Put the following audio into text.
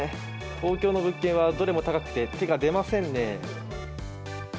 東京の物件はどれも高くて手が出ませんね。